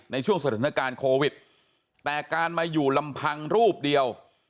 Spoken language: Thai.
ในช่วงสถานการณ์โควิดแต่การมาอยู่ลำพังรูปเดียว